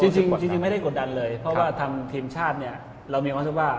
จริงไม่ได้กดดันเลยเพราะว่าทำทีมชาติเรามีความคิดว่า